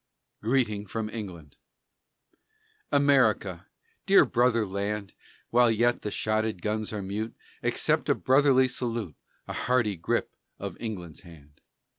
GREETING FROM ENGLAND America! dear brother land! While yet the shotted guns are mute, Accept a brotherly salute, A hearty grip of England's hand.